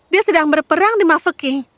dia sedang berperang di mafeking